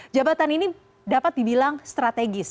jabatan ini dapat dibilang strategis